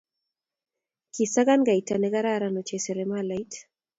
Kisakan kaita ne kararan ochei seremalait.